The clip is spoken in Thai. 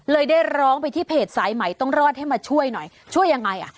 เลยได้ร้องไปที่เพจสายใหม่ต้องรอดให้มาช่วยหน่อยช่วยยังไงอ่ะ